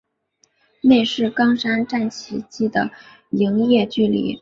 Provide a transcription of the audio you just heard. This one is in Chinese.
内是冈山站起计的营业距离。